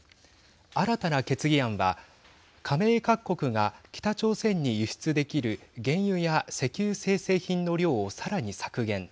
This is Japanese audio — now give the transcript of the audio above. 新たな決議案は加盟各国が北朝鮮に輸出できる原油や石油精製品の量をさらに削減。